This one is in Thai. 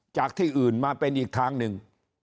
จากที่อื่นมาเป็นอีกทางหนึ่ง